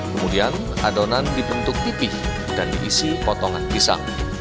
kemudian adonan dipentuk tipih dan diisi potongan pisang